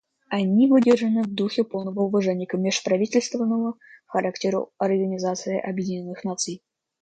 Они выдержаны в духе полного уважения к межправительственному характеру Организации Объединенных Наций.